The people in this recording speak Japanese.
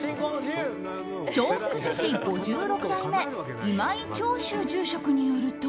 長福寿寺５６代目今井長秀住職によると。